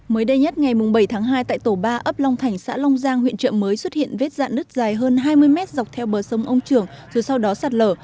mới đây nhất ngày bảy tháng hai tại tổ ba ấp long thành xã long giang huyện trợ mới xuất hiện vết dạn nứt dài hơn hai mươi mét dọc theo bờ sông ông trường rồi sau đó sạt lở